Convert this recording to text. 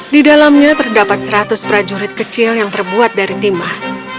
di dalamnya terdapat seratus prajurit kecil yang terbuat dari timah